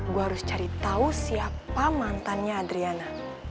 gue harus cari tahu siapa mantannya adriana